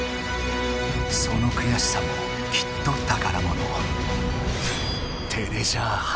そのくやしさもきっと宝もの。